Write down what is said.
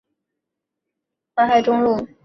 北起淮海中路。